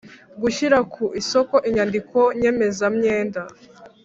gushyira ku isoko inyandiko nyemezamwenda